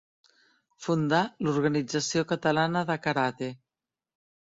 Fundà l'Organització Catalana de Karate.